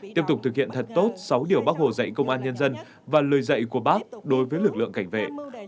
tiếp tục thực hiện thật tốt sáu điều bác hồ dạy công an nhân dân và lời dạy của bác đối với lực lượng cảnh vệ